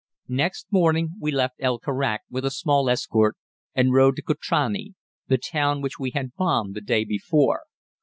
Next morning we left El Karak with a small escort and rode to Kutrani, the town which we had bombed the day before.